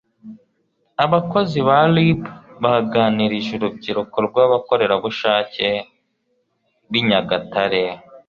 abakozi ba RIB baganirije urubyiruko rw'abakorerabushake b'i Nyagatare